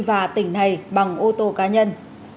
và tỉnh này bằng ô tô cá nhân